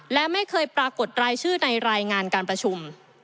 และไม่เคยปรากฏรายชื่อในรายงานการประชุม